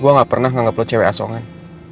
gue gak pernah nge upload cewek asongan